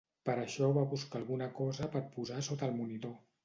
Per això va buscar alguna cosa per posar sota el monitor.